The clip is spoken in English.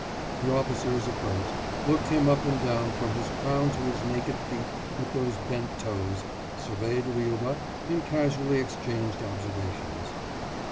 The officers approached, looked him up and down from his crown to his naked feet with those bent toes, surveyed Liuba, and casually exchanged observations.